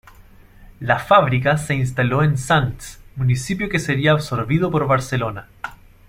La fábrica se instaló en Sants, municipio que sería absorbido por Barcelona.